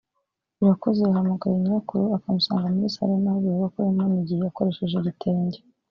Irakoze yahamgare nyirakuru akamusanga muri saro ari naho bivugwa ko yamunigiye akoresheje igitenge